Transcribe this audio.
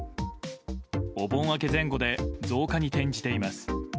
お盆明け前後で増加に転じています。